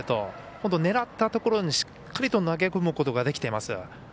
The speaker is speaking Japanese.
本当、狙ったところにしっかりと投げ込むことができています。